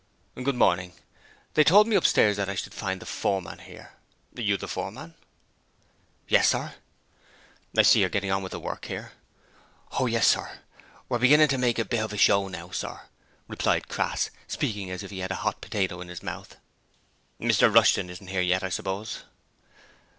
'Good morning. They told me upstairs that I should find the foreman here. Are you the foreman?' 'Yes, sir.' 'I see you're getting on with the work here.' 'Ho yes sir, we're beginning to make a bit hov a show now, sir,' replied Crass, speaking as if he had a hot potato in his mouth. 'Mr Rushton isn't here yet, I suppose?'